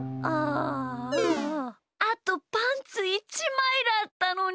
あとパンツ１まいだったのに。